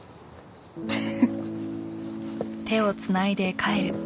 フフフッ。